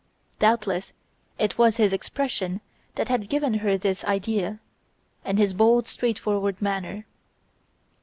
Doubtless it was his expression that had given her this idea, and his bold straightforward manner.